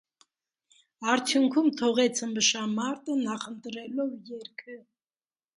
Արդյունքում թողեց ըմբշամարտը՝ նախընտրելով երգը։